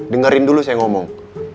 dengerin dulu saya ngomong